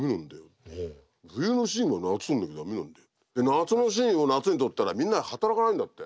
夏のシーンを夏に撮ったらみんな働かないんだって。